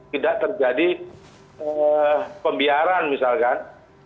tidak terjadi pembiaran misalkan